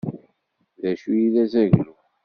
D acu i d azaglu?